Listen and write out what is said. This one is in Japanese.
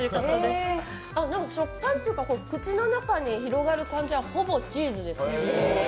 食感というか、口の中に広がる感じは、ほぼチーズですね。